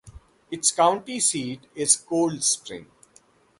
Its county seat is Coldspring.